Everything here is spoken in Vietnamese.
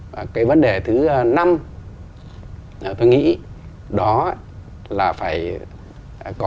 vấn đề thứ ba nữa chúng tôi nghĩ là phải giả soát hoàn thiện xây dựng được hệ thống pháp luật mà cái hệ thống pháp luật này có tính răn đe cao